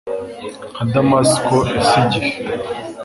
nka Damasiko Ese igihe